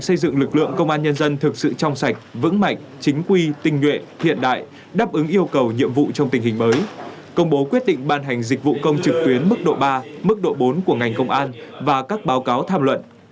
xây dựng lực lượng công an nhân dân thực sự trong sạch vững mạnh chính quy tinh nhuệ hiện đại đáp ứng yêu cầu nhiệm vụ trong tình hình mới công bố quyết định ban hành dịch vụ công trực tuyến mức độ ba mức độ bốn của ngành công an và các báo cáo tham luận